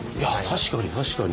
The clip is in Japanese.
確かに確かに。